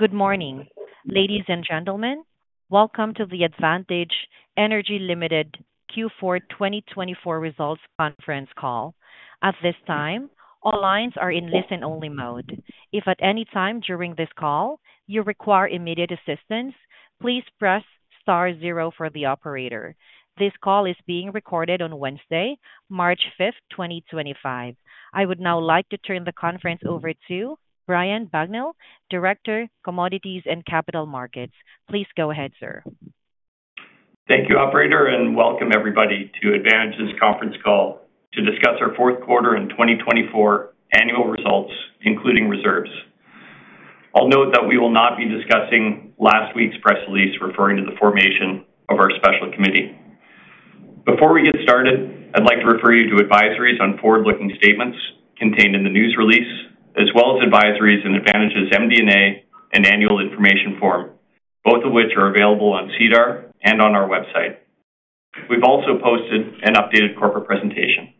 Good morning, ladies and gentlemen. Welcome to the Advantage Energy Ltd. Q4 2024 Results Conference Call. At this time, all lines are in listen-only mode. If at any time during this Call you require immediate assistance, please press star zero for the operator. This Call is being recorded on Wednesday, March 5th, 2025. I would now like to turn the conference over to Brian Bagnell, Director, Commodities and Capital Markets. Please go ahead, sir. Thank you, Operator, and welcome everybody to Advantage's Conference Call to discuss our Q4 and 2024 Annual Results, including reserves. I'll note that we will not be discussing last week's press release referring to the formation of our special committee. Before we get started, I'd like to refer you to advisories on forward-looking statements contained in the news release, as well as advisories in Advantage's MD&A and Annual Information Form, both of which are available on SEDAR and on our website. We've also posted an updated corporate presentation.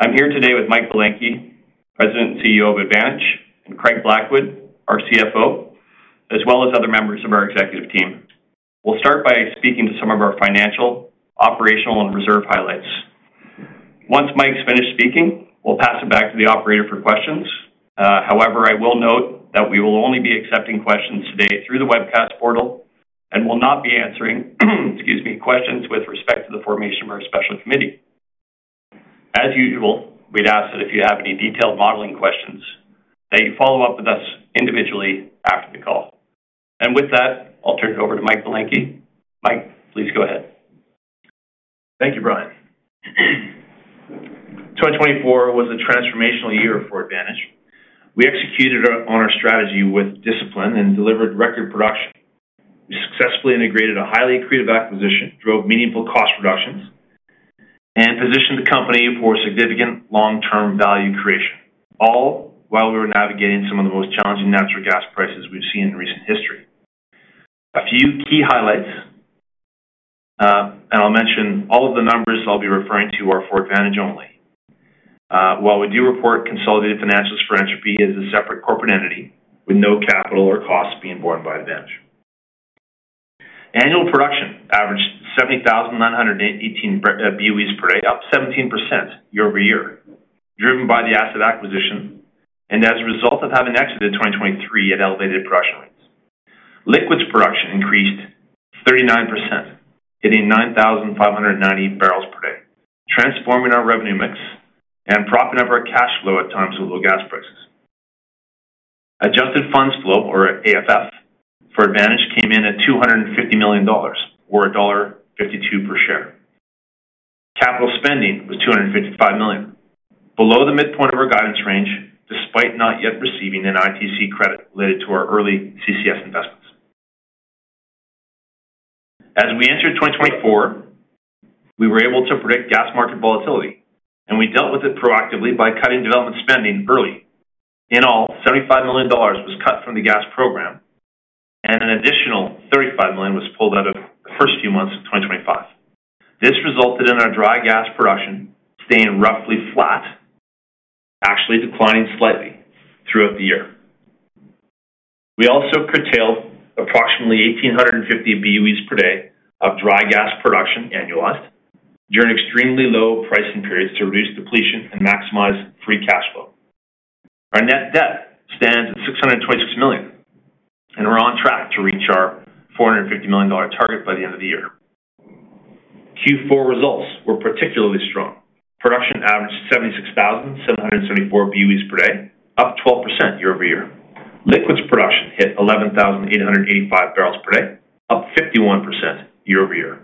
I'm here today with Mike Belenkie, President and CEO of Advantage, and Craig Blackwood, our CFO, as well as other members of our executive team. We'll start by speaking to some of our financial, operational, and reserve highlights. Once Mike's finished speaking, we'll pass it back to the Operator for questions. However, I will note that we will only be accepting questions today through the webcast portal and will not be answering, excuse me, questions with respect to the formation of our special committee. As usual, we'd ask that if you have any detailed modeling questions, that you follow up with us individually after the call. With that, I'll turn it over to Mike Belenkie. Mike, please go ahead. Thank you, Brian. 2024 was a transformational year for Advantage. We executed on our strategy with discipline and delivered record production. We successfully integrated a highly accretive acquisition, drove meaningful cost reductions, and positioned the company for significant long-term value creation, all while we were navigating some of the most challenging natural gas prices we've seen in recent history. A few key highlights, and I'll mention all of the numbers I'll be referring to are for Advantage only. While we do report consolidated financials for Entropy as a separate corporate entity, with no capital or costs being borne by Advantage. Annual production averaged 70,918 BOEs per day, up 17% year over year, driven by the asset acquisition and as a result of having exited 2023 at elevated production rates. Liquids production increased 39%, hitting 9,590 barrels per day, transforming our revenue mix and propping up our cash flow at times with low gas prices. Adjusted funds flow, or AFF, for Advantage came in at 250 million dollars, or dollar 1.52 per share. Capital spending was 255 million, below the midpoint of our guidance range, despite not yet receiving an ITC credit related to our early CCS investments. As we entered 2024, we were able to predict gas market volatility, and we dealt with it proactively by cutting development spending early. In all, 75 million dollars was cut from the gas program, and an additional 35 million was pulled out of the first few months of 2025. This resulted in our dry gas production staying roughly flat, actually declining slightly throughout the year. We also curtailed approximately 1,850 BOEs per day of dry gas production annualized during extremely low pricing periods to reduce depletion and maximize free cash flow. Our net debt stands at 626 million, and we're on track to reach our 450 million dollar target by the end of the year. Q4 results were particularly strong. Production averaged 76,774 BOEs per day, up 12% year over year. Liquids production hit 11,885 barrels per day, up 51% year over year.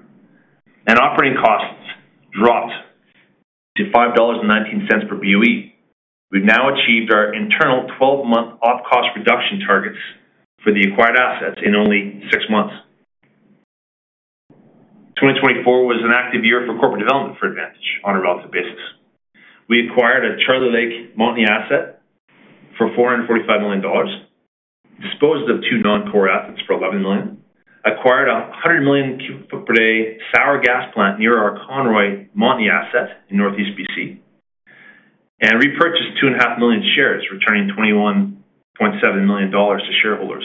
Operating costs dropped to 5.19 dollars per BOE. We've now achieved our internal 12-month op cost reduction targets for the acquired assets in only six months. 2024 was an active year for corporate development for Advantage on a relative basis. We acquired a Charlie Lake Montney asset for 445 million dollars, disposed of two non-core assets for 11 million, acquired a 100 million per day sour gas plant near our Conroy Montney asset in Northeast British Columbia, and repurchased 2.5 million shares, returning 21.7 million dollars to shareholders.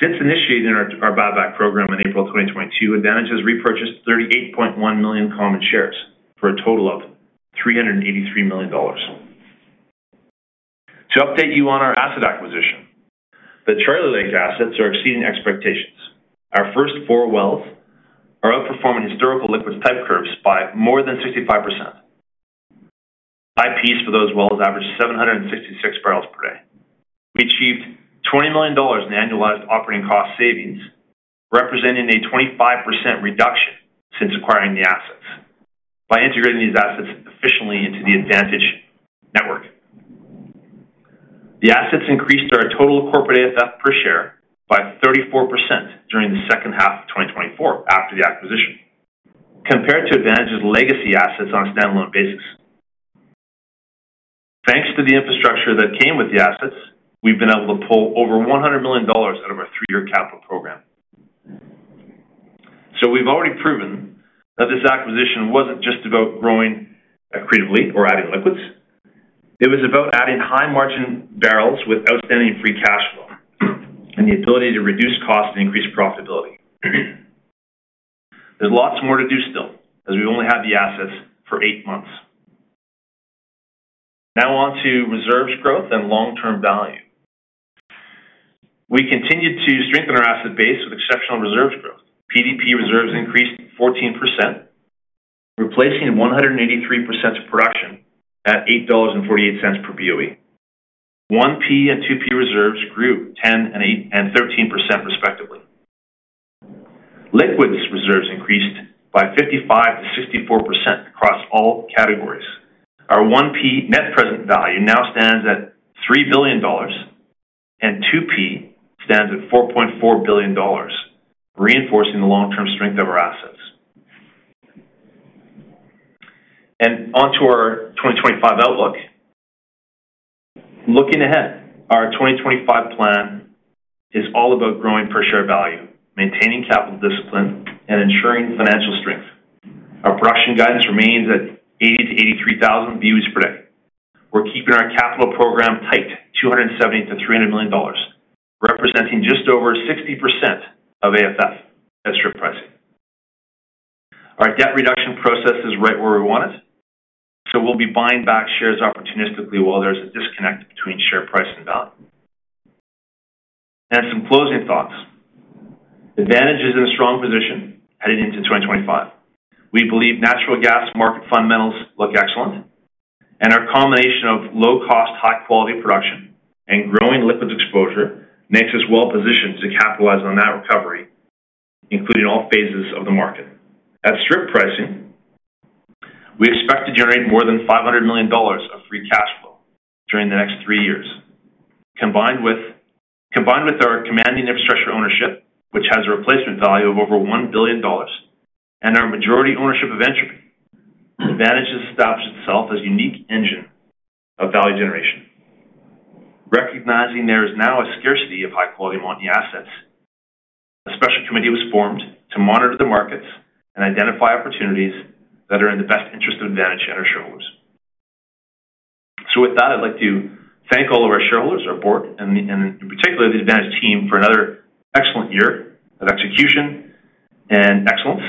Since initiating our buyback program in April 2022, Advantage has repurchased 38.1 million common shares for a total of 383 million dollars. To update you on our asset acquisition, the Charlie Lake assets are exceeding expectations. Our first four wells are outperforming historical liquids type curves by more than 65%. IPs for those wells averaged 766 barrels per day. We achieved 20 million dollars in annualized operating cost savings, representing a 25% reduction since acquiring the assets by integrating these assets efficiently into the Advantage network. The assets increased our total corporate AFF per share by 34% during the second half of 2024 after the acquisition, compared to Advantage's legacy assets on a standalone basis. Thanks to the infrastructure that came with the assets, we've been able to pull over 100 million dollars out of our three-year capital program. We've already proven that this acquisition was not just about growing accretively or adding liquids. It was about adding high-margin barrels with outstanding free cash flow and the ability to reduce costs and increase profitability. There's lots more to do still, as we've only had the assets for eight months. Now on to reserves growth and long-term value. We continued to strengthen our asset base with exceptional reserves growth. PDP reserves increased 14%, replacing 183% of production at 8.48 dollars per BOE. 1P and 2P reserves grew 10% and 13%, respectively. Liquids reserves increased by 55-64% across all categories. Our 1P net present value now stands at 3 billion dollars, and 2P stands at 4.4 billion dollars, reinforcing the long-term strength of our assets. Onto our 2025 outlook. Looking ahead, our 2025 plan is all about growing per share value, maintaining capital discipline, and ensuring financial strength. Our production guidance remains at 80,000-83,000 BOEs per day. We're keeping our capital program tight, 270 million-300 million dollars, representing just over 60% of AFF at strip pricing. Our debt reduction process is right where we want it, so we'll be buying back shares opportunistically while there's a disconnect between share price and value. Some closing thoughts. Advantage is in a strong position heading into 2025. We believe natural gas market fundamentals look excellent, and our combination of low-cost, high-quality production and growing liquids exposure makes us well-positioned to capitalize on that recovery, including all phases of the market. At strip pricing, we expect to generate more than 500 million dollars of free cash flow during the next three years, combined with our commanding infrastructure ownership, which has a replacement value of over 1 billion dollars, and our majority ownership of Entropy. Advantage has established itself as a unique engine of value generation, recognizing there is now a scarcity of high-quality Montney assets. A special committee was formed to monitor the markets and identify opportunities that are in the best interest of Advantage and our shareholders. I would like to thank all of our shareholders, our board, and in particular the Advantage team for another excellent year of execution and excellence.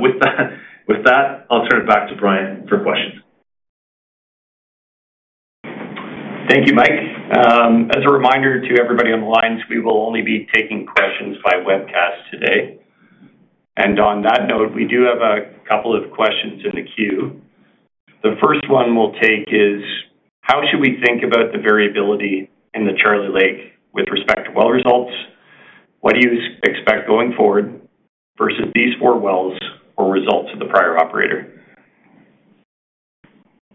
With that, I'll turn it back to Brian for questions. Thank you, Mike. As a reminder to everybody on the lines, we will only be taking questions by webcast today. On that note, we do have a couple of questions in the queue. The first one we'll take is, how should we think about the variability in the Charlie Lake with respect to well results? What do you expect going forward versus these four wells or results of the prior operator?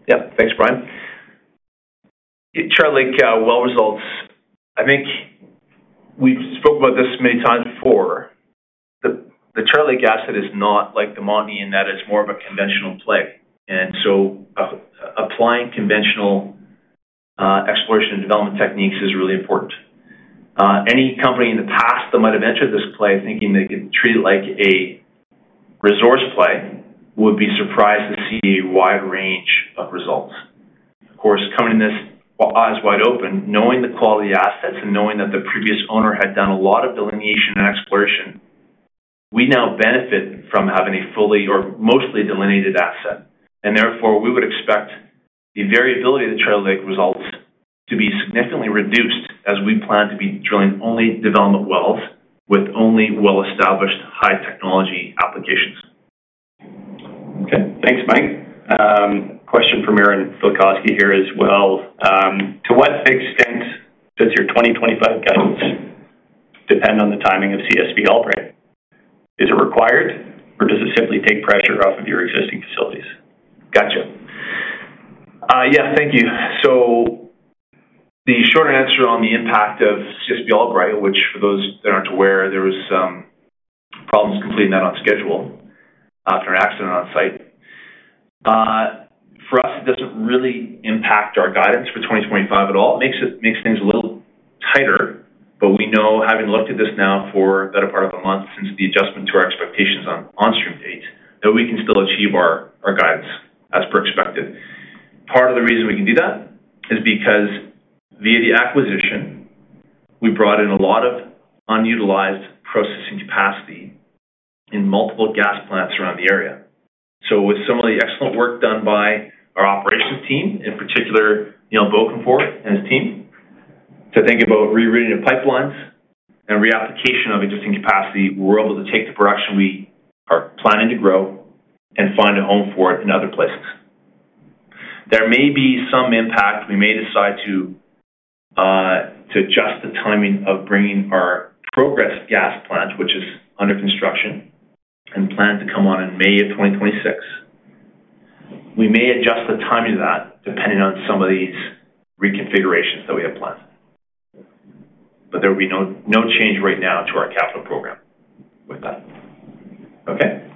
Yeah, thanks, Brian. Charlie Lake well results, I think we've spoken about this many times before. The Charlie Lake asset is not like the Montney, in that it's more of a conventional play. Applying conventional exploration and development techniques is really important. Any company in the past that might have entered this play thinking they could treat it like a resource play would be surprised to see a wide range of results. Of course, coming in this eyes wide open, knowing the quality assets and knowing that the previous owner had done a lot of delineation and exploration, we now benefit from having a fully or mostly delineated asset. Therefore, we would expect the variability of the Charlie Lake results to be significantly reduced as we plan to be drilling only development wells with only well-established high-technology applications. Okay, thanks, Mike. Question from Aaron Bilkoski here as well. To what extent does your 2025 guidance depend on the timing of CSV Albright? Is it required, or does it simply take pressure off of your existing facilities? Gotcha. Yeah, thank you. The short answer on the impact of CSV Albright, which for those that are not aware, there were some problems completing that on schedule after an accident on site. For us, it does not really impact our guidance for 2025 at all. It makes things a little tighter, but we know, having looked at this now for the better part of a month since the adjustment to our expectations on on-stream dates, that we can still achieve our guidance as per expected. Part of the reason we can do that is because via the acquisition, we brought in a lot of unutilized processing capacity in multiple gas plants around the area. With some of the excellent work done by our operations team, in particular Neil Bokenfohr and his team, to think about rerouting of pipelines and reapplication of existing capacity, we're able to take the production we are planning to grow and find a home for it in other places. There may be some impact. We may decide to adjust the timing of bringing our Progress gas plant, which is under construction and planned to come on in May of 2026. We may adjust the timing of that depending on some of these reconfigurations that we have planned, but there will be no change right now to our capital program with that. Okay,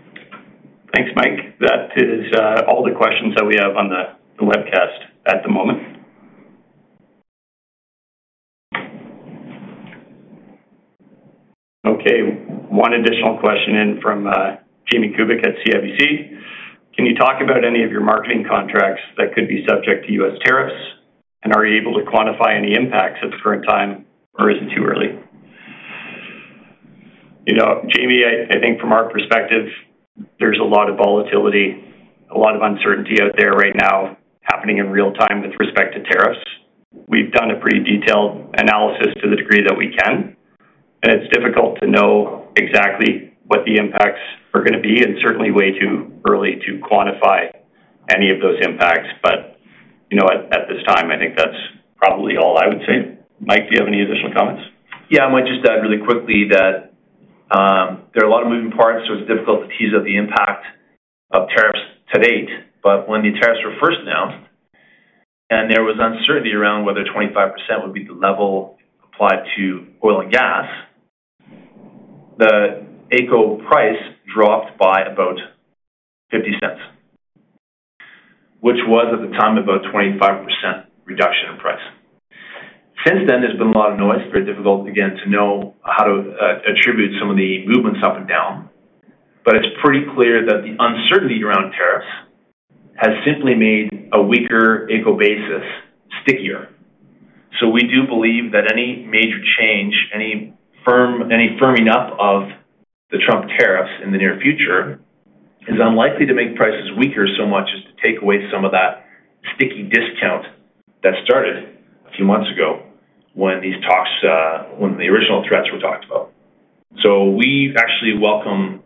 thanks, Mike. That is all the questions that we have on the webcast at the moment. Okay, one additional question in from Jamie Kubik at CIBC. Can you talk about any of your marketing contracts that could be subject to U.S. tariffs, and are you able to quantify any impacts at the current time, or is it too early? You know, Jamie, I think from our perspective, there's a lot of volatility, a lot of uncertainty out there right now happening in real time with respect to tariffs. We've done a pretty detailed analysis to the degree that we can, and it's difficult to know exactly what the impacts are going to be, and certainly way too early to quantify any of those impacts. At this time, I think that's probably all I would say. Mike, do you have any additional comments? Yeah, I might just add really quickly that there are a lot of moving parts, so it's difficult to tease out the impact of tariffs to date. When the tariffs were first announced and there was uncertainty around whether 25% would be the level applied to oil and gas, the AECO price dropped by about $0.50, which was at the time about a 25% reduction in price. Since then, there's been a lot of noise, very difficult, again, to know how to attribute some of the movements up and down, but it's pretty clear that the uncertainty around tariffs has simply made a weaker AECO basis stickier. We do believe that any major change, any firming up of the Trump tariffs in the near future is unlikely to make prices weaker so much as to take away some of that sticky discount that started a few months ago when these talks, when the original threats were talked about. We actually welcome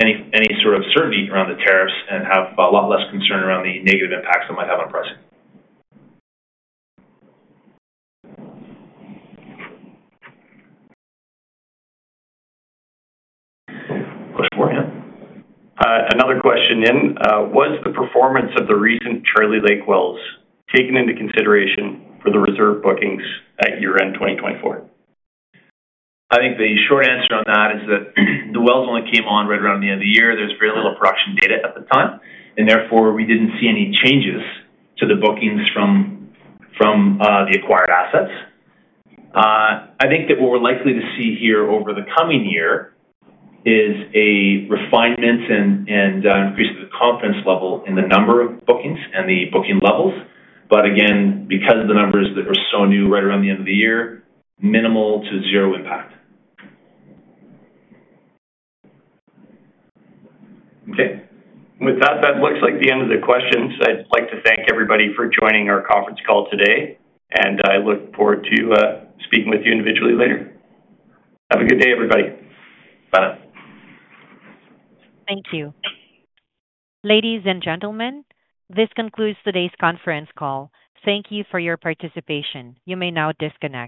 any sort of certainty around the tariffs and have a lot less concern around the negative impacts that might have on pricing. Question for you. Another question in. Was the performance of the recent Charlie Lake wells taken into consideration for the reserve bookings at year-end 2024? I think the short answer on that is that the wells only came on right around the end of the year. There's very little production data at the time, and therefore we didn't see any changes to the bookings from the acquired assets. I think that what we're likely to see here over the coming year is a refinement and increase of the confidence level in the number of bookings and the booking levels. Again, because the numbers that were so new right around the end of the year, minimal to zero impact. Okay, with that, that looks like the end of the questions. I'd like to thank everybody for joining our Conference Call today, and I look forward to speaking with you individually later. Have a good day, everybody. Bye now. Thank you. Ladies and gentlemen, this concludes today's Conference Call. Thank you for your participation. You may now disconnect.